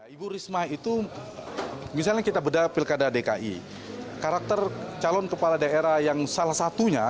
ibu risma itu misalnya kita bedah pilkada dki karakter calon kepala daerah yang salah satunya